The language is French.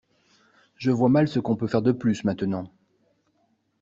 Je vois mal ce qu’on peut faire de plus maintenant.